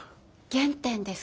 原点ですか？